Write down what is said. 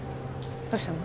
どうしたの？